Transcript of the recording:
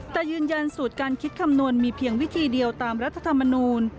แต่ยืนยันสูตรการคิดคำนวณมีเพียงวิธีเดียวตามรัฐธรรมนูล